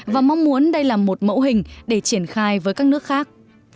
và mong muốn đây là một mẫu hình để triển khai với các nước khác